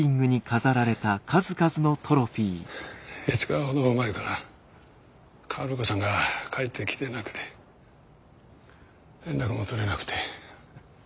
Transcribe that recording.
５日ほど前から薫子さんが帰ってきてなくて連絡も取れなくて。